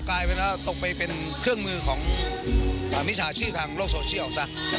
กลายเป็นว่าตกไปเป็นเครื่องมือของมิจฉาชีพทางโลกโซเชียลซะ